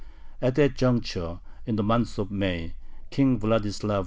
At that juncture, in the month of May, King Vladislav IV.